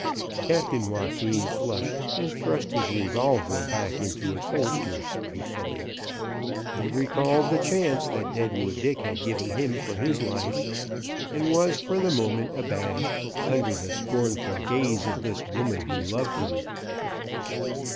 Captain Joaquin flushed, and thrust his revolver back into its holster spitefully. He recalled the chance that Deadwood Dick had given him for his life, and was for the moment abashed, under the scornful gaze of this woman who loved him.